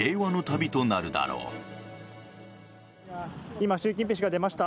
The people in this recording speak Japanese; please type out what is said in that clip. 今、習近平氏が出ました。